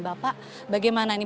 bapak bagaimana nih